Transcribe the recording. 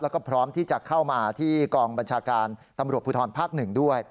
แล้วก็พร้อมที่จะเข้ามาที่กองบัญชาการตำรวจภูทรภาค๑ด้วย